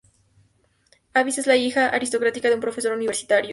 Avis es la hija aristócrata de un profesor universitario.